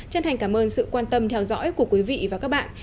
chân thành cảm ơn sự quan tâm theo dõi của quý vị và các bạn